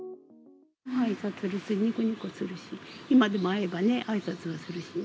あいさつすればにこにこするし、今でも会えばね、あいさつはするしね。